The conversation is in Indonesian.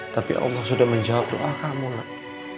tapi allah sudah menjawab doa kamu nak